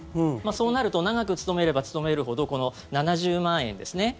そうなると長く勤めれば勤めるほどこの７０万円ですね。